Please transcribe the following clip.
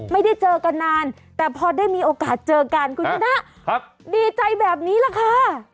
ไม่ได้เจอกันนานแต่พอได้มีโอกาสเจอกันคุณชนะดีใจแบบนี้แหละค่ะ